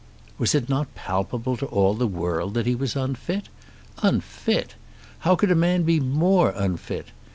Was it not palpable to all the world that he was unfit? Unfit! How could a man be more unfit?